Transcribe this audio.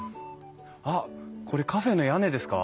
あっこれカフェの屋根ですか？